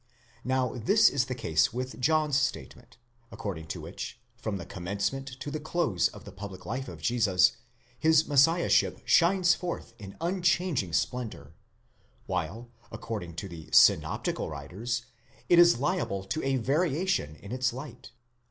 Now this is the case with John's statement ; according to which, from the commencement to the close of the public life of Jesus, his Messiahship shines forth in unchanging splen dour, while, according to the synoptical writers, it is liable to a variation in its light.